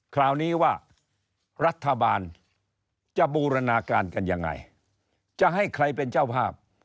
คราวนี้ว่ารัฐบาลจะบูรณาการกันยังไงจะให้ใครเป็นเจ้าภาพ